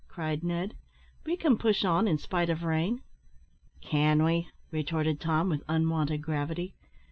cried Ned; "we can push on in spite of rain." "Can we?" retorted Tom, with unwonted gravity.